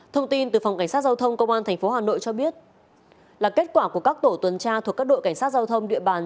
thông tin từ phòng cảnh sát giao thông công an tp hà nội cho biết là kết quả của các tổ tuần tra thuộc các đội cảnh sát giao thông địa bàn